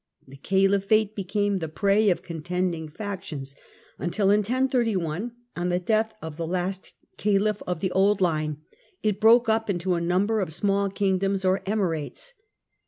The caliphate became the prey of contending factions until, in 1031, on the death of the last caliph of the old line, it broke up into a number of small kingdoms or emirates.